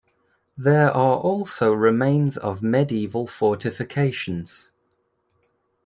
There are also remains of medieval fortifications.